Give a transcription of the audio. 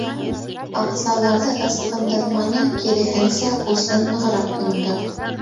Аҡсаларҙы ысҡындырманы, киреһенсә, усын нығыраҡ йомдо.